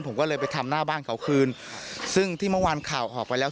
ผมก็เลยไปทำหน้าบ้านเขาคืนซึ่งที่เมื่อวานข่าวออกไปแล้ว